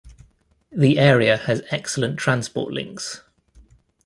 The area has excellent transport links.